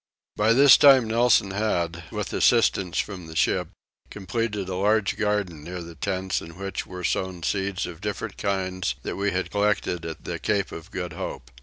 By this time Nelson had, with assistance from the ship, completed a large garden near the tents in which were sown seeds of different kinds that we had collected at the Cape of Good Hope.